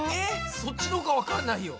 そっちのほうがわかんないよ！